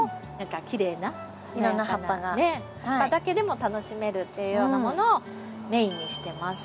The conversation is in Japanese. ねっ葉っぱだけでも楽しめるっていうようなものをメインにしてます。